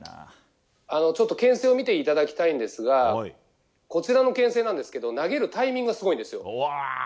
ちょっと牽制を見ていただきたいんですがこちらの牽制なんですけど投げるタイミングがすごいんです。